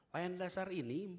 layanan dasar ini